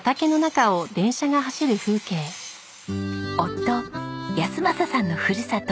夫安正さんのふるさと